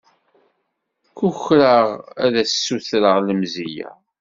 Kukraɣ ad as-ssutreɣ lemzeyya.